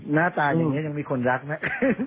หน้าตาอย่างนี้ยังมีคนรักไหม